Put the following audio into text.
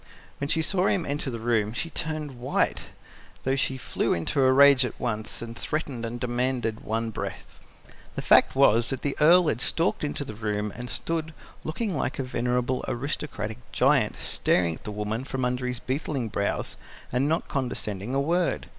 When she saw him enter the room, she turned white, though she flew into a rage at once, and threatened and demanded in one breath." The fact was that the Earl had stalked into the room and stood, looking like a venerable aristocratic giant, staring at the woman from under his beetling brows, and not condescending a word.